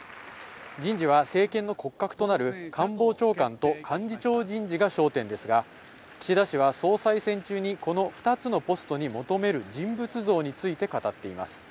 人事は政権の骨格となる官房長官と幹事長人事が焦点ですが、岸田氏は総裁選中にこの２つのポストに求める人物像について語っています。